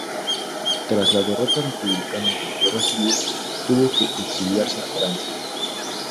Tras la derrota republicana en la guerra civil, tuvo que exiliarse a Francia.